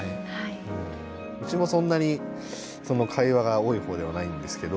うちもそんなにその会話が多い方ではないんですけど。